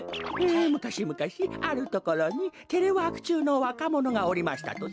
「むかしむかしあるところにテレワークちゅうのわかものがおりましたとさ」。